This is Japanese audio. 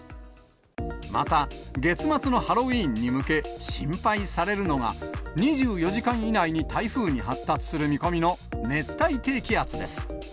また月末のハロウィーンに向け、心配されるのが、２４時間以内に台風に発達する見込みの熱帯低気圧です。